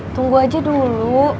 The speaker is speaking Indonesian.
tunggu aja dulu